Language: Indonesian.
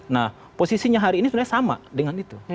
nah posisinya hari ini sebenarnya sama dengan itu